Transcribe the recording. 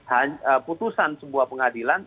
keputusan sebuah pengadilan